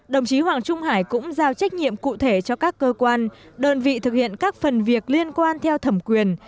đồng chí hoàng trung hải cũng giao trách nhiệm cụ thể cho các cơ quan đơn vị thực hiện các phần việc liên quan theo thẩm quyền